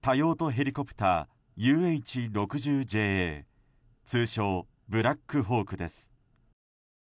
ヘリコプターＵＨ６０ＪＡ通称ブラックホークです。